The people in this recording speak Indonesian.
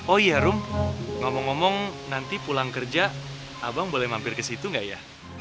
oh iya rum ngomong ngomong nanti pulang kerja abang boleh mampir ke situ nggak ya